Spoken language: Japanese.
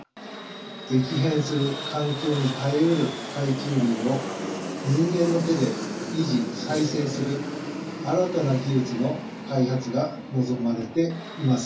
激変する環境に耐えうる海中林を人間の手で維持・再生する新たな技術の開発が望まれています。